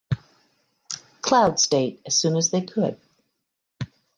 Cloud State as soon as they could.